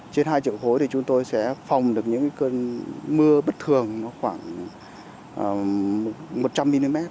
trên hai triệu khối thì chúng tôi sẽ phòng được những cơn mưa bất thường khoảng một trăm linh mm